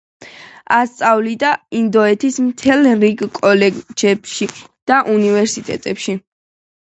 ასწავლიდა ინდოეთის მთელ რიგ კოლეჯებში და უნივერსიტეტებში.